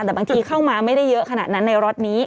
แต่บางทีเข้ามาไม่ได้เยอะขนาดนั้นในล็อตนี้